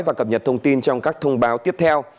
và cập nhật thông tin trong các thông báo tiếp theo